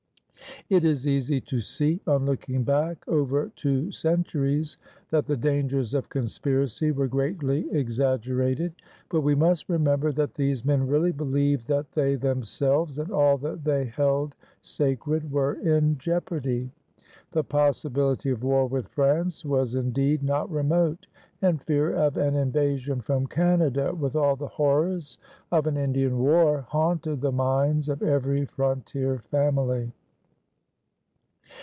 It is easy to see on looking back over two centuries that the dangers of conspiracy were greatly exaggerated; but we must remember that these men really believed that they themselves and all that they held sacred were in jeopardy. The possibility of war with France was indeed not remote; and fear of an invasion from Canada with all the horrors of an Indian war haunted the minds of every frontier family.